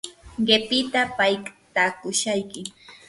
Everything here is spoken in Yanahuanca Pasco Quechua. qipita paytakushayki.